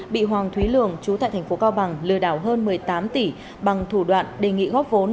bị hoàng thúy lường trú tại thành phố cao bằng lừa đảo hơn một mươi tám tỷ bằng thủ đoạn đề nghị góp vốn